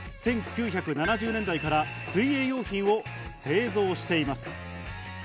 １９７０年代から水泳用品を製造しています。